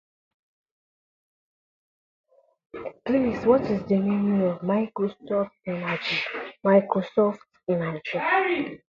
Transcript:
Last night, my friends and I went to a fancy restaurant in the city.